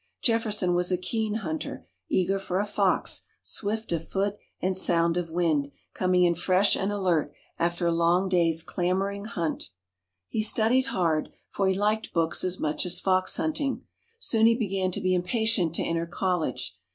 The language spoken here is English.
Jefferson was a keen hunter, eager for a fox, swift of foot and sound of wind, coming in fresh and alert after a long day's clambering hunt. He studied hard, for he liked books as much as fox hunting. Soon he began to be impatient to enter college.